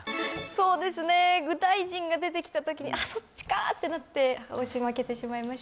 そうですね右大臣が出てきた時にそっちかってなって押し負けてしまいました